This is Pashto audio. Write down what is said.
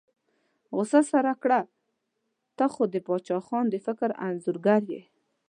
غوسه سړه کړه، ته خو د باچا خان د فکر انځورګر یې.